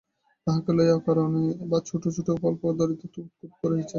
তাহাকে লইয়া অকারণে বা ছোটো ছোটো উপলক্ষ ধরিয়া খুঁতখুঁত করিয়াছেন।